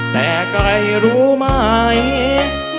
แต่ใครรู้ไหม